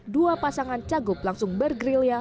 dua pasangan cagup langsung bergerilya